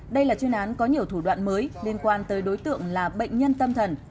đây là chuyên án có nhiều thủ đoạn mới liên quan tới đối tượng là bệnh nhân tâm thần